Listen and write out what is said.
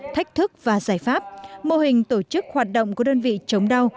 thách thức và giải pháp mô hình tổ chức hoạt động của đơn vị chống đau